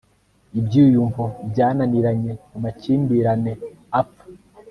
Ibyiyumvo byananiranye mu makimbirane apfa